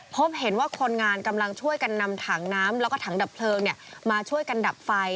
พบเห็นว่าคนงานกำลังช่วยกันนำถังน้ำแล้วก็ถังดับเพลิงมาช่วยกันดับไฟ